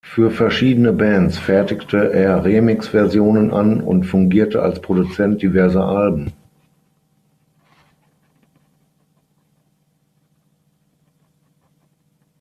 Für verschiedene Bands fertigte er Remix-Versionen an und fungierte als Produzent diverser Alben.